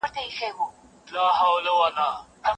له خوښيه ابليس وكړله چيغاره